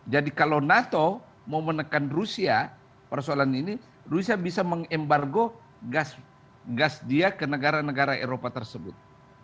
jadi kalau nato mau menekan rusia persoalan ini rusia bisa mengembargo gas dia ke negara negara eropa tersebut